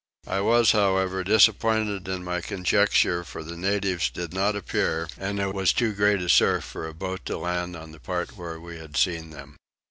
I was however disappointed in my conjecture for the natives did not appear, and there was too great a surf for a boat to land on the part where we had seen them.